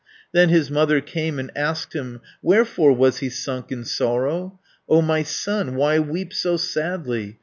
Then his mother came and asked him Wherefore was he sunk in sorrow. "O my son, why weep so sadly?